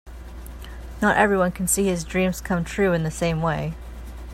Not everyone can see his dreams come true in the same way.